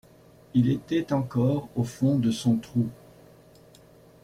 Il était encore au fond de son trou.